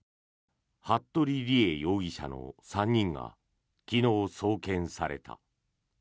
服部理江容疑者の３人が昨日、送検された。